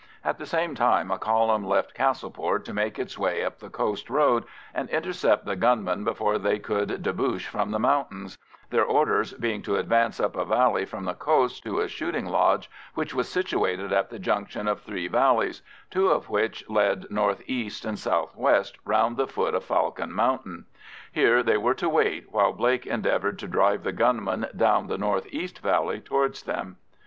At the same time a column left Castleport to make its way up the coast road and intercept the gunmen before they could debouch from the mountains—their orders being to advance up a valley from the coast to a shooting lodge, which was situated at the junction of three valleys, two of which lead north east and south west round the foot of Falcon Mountain. Here they were to wait while Blake endeavoured to drive the gunmen down the north east valley towards them.